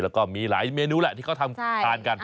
แล้วก็มีหลายเมนูแหละที่เขาทำทานกัน